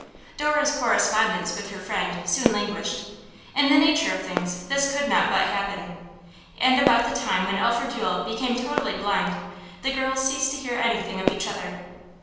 Dora's correspondence with her friend soon languished; in the nature of things this could not but happen; and about the time when Alfred Yule became totally blind the girls ceased to hear anything of each other.